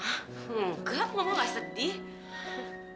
hah enggak mamah gak sedih